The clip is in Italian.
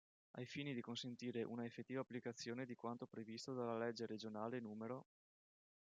Ai fini di consentire una effettiva applicazione di quanto previsto dalla Legge Regionale n.